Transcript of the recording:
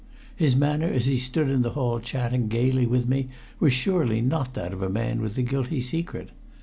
His manner as he stood in the hall chatting gayly with me was surely not that of a man with a guilty secret.